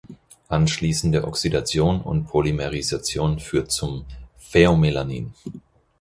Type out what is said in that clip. Anschließende Oxidation und Polymerisation führt zum Phäomelanin.